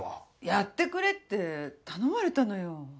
やってくれって頼まれたのよ。